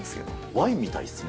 ワインみたいですね。